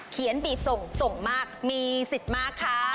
บีบส่งส่งมากมีสิทธิ์มากค่ะ